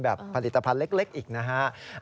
ผลิตภัณฑ์เล็กอีกนะฮะ